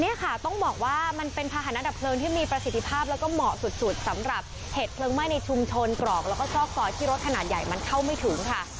นี่ค่ะต้องบอกว่ามันเป็นภาษณะดับเพลิงที่มีประสิทธิภาพแล้วก็เหมาะสุดสำหรับเหตุเพลิงไหม้ในชุมชนตรอกแล้วก็ซอกซอยที่รถขนาดใหญ่มันเข้าไม่ถึงค่ะ